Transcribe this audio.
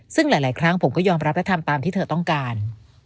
ซึ่งหลายครั้งผมก็ยอมรับและทำตามที่เธอต้องการ